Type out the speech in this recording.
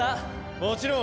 もちろん。